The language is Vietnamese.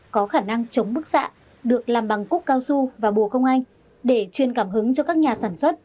có khả năng chống bức xạ được làm bằng cúc cao su và bùa công anh để truyền cảm hứng cho các nhà sản xuất